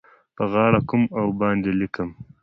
په غاړه کوم او باندې لیکم